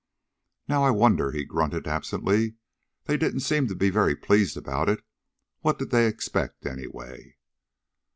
"Now what, I wonder?" he grunted absently. "They didn't seem to be very pleased about it. What did they expect, anyway?"